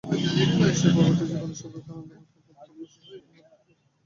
সেই প্রভাতটি জীবনে সর্বাপেক্ষা আনন্দময় প্রভাত! পূজাশেষে আমরা উপর তলায় গেলাম।